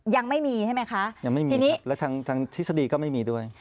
ยังไม่มีครับและทางทฤษฎีก็ไม่มีด้วย